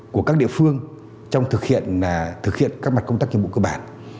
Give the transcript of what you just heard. của các địa phương trong thực hiện các mặt công tác nhiệm vụ cơ bản